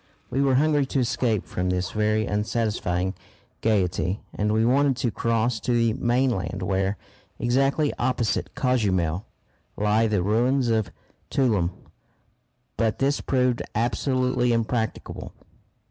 We were hungry to escape from this very unsatisfying gaiety, and we wanted to cross to the mainland where, exactly opposite Cozumel, lie the ruins of Tuloom. But this proved absolutely impracticable.